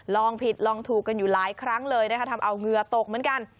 ลองผิดลองถูกกันอยู่หลายครั้งเลยนะคะทำเอาเหงื่อตกเหมือนกัน